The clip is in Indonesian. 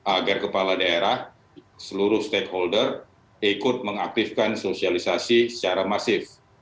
agar kepala daerah seluruh stakeholder ikut mengaktifkan sosialisasi secara masif